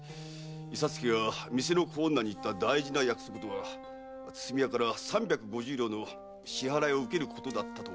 伊左助が店の小女に言った「大事な約束」とは筒見屋から三百五十両の支払いを受けることだったと思います。